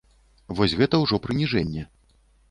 Вось гэта ўжо прыніжэнне.